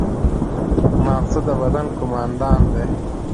ماغزه د بدن قوماندان دی